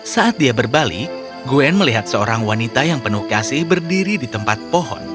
saat dia berbalik gwen melihat seorang wanita yang penuh kasih berdiri di tempat pohon